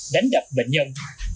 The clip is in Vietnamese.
đánh đập bệnh nhân